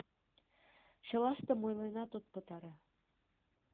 Чылаштым ойленат от пытаре.